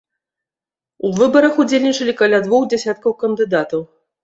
У выбарах удзельнічалі каля двух дзясяткаў кандыдатаў.